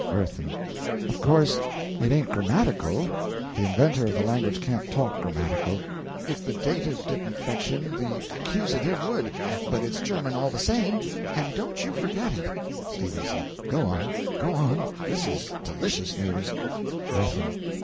WIRTHIN. Of course it ain't grammatical the inventor of the language can't talk grammatical; if the dative didn't fetch him the accusative would; but it's German all the same, and don't you forget it! S. Go on go on this is delicious news WIRTHIN.